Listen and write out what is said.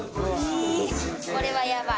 えー、これはやばい。